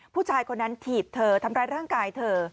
ผู้ชายคนนั้นถีบเธอทำร้ายร่างกายเธอ